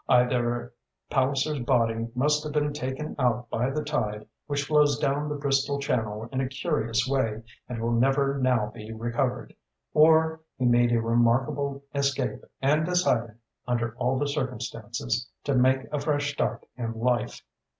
Either Palliser's body must have been taken out by the tide, which flows down the Bristol Channel in a curious way, and will never now be recovered, or he made a remarkable escape and decided, under all the circumstances, to make a fresh start in life."